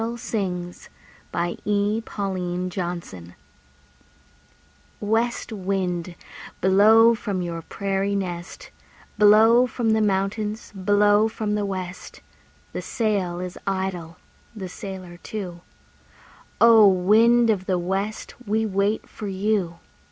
THE SONG MY PADDLE SINGS West wind, blow from your prairie nest, Blow from the mountains, blow from the west. The sail is idle, the sailor too; O! wind of the west, we wait for you.